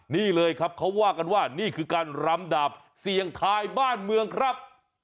นี่เลยครับเขาว่ากันว่านี่คือการรำดาบเสี่ยงทายบ้านเมืองครับ